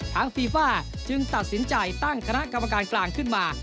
ฟีฟ่าจึงตัดสินใจตั้งคณะกรรมการกลางขึ้นมา